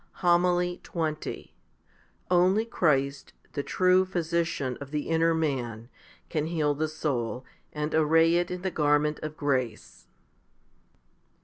HOMILY XX Only Christ, the true Physician of the inner man, can htal the soul, and array it in the garment of grace.